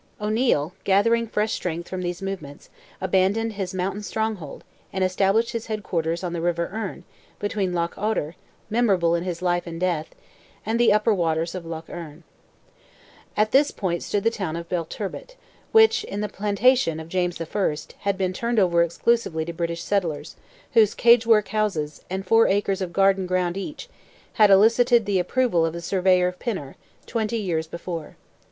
O'Neil, gathering fresh strength from these movements, abandoned his mountain stronghold, and established his head quarters on the river Erne between Lough Oughter (memorable in his life and death) and the upper waters of Lough Erne. At this point stood the town of Belturbet, which, in "the Plantation" of James I., had been turned over exclusively to British settlers, whose "cagework" houses, and four acres of garden ground each, had elicited the approval of the surveyor Pynnar, twenty years before.